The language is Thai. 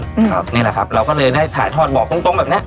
ครับนี่แหละครับเราก็เลยได้ถ่ายทอดบอกตรงตรงแบบเนี้ย